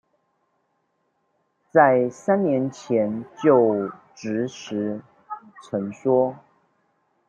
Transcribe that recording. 在三年前就職時曾說